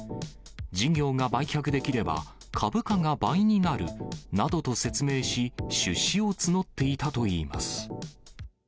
事業が売却できれば株価が倍になるなどと説明し、出資を募っていたといいます。